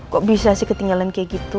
kok bisa sih ketinggalan kayak gitu